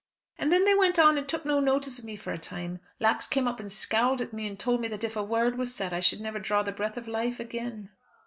"And then they went on, and took no notice of me for a time. Lax came up and scowled at me, and told me that if a word was said I should never draw the breath of life again."